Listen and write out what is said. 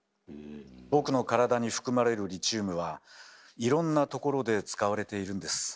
僕の体に含まれるリチウムはいろんなところで使われているんです。